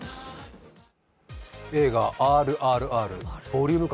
映画「ＲＲＲ」、ボリューム感